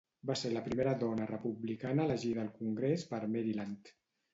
Va ser la primera dona republicana elegida al Congrés per Maryland.